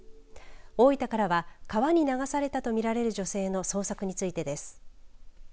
大分からは川に流されたと見られる女性の捜索についてです。